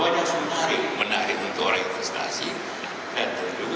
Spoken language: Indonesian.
ya memang masa itu